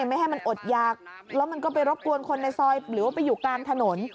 ไม่ให้มันอดยากแล้วมันก็ไปรบกวนคนในซอยหรือว่าไปอยู่กลางถนน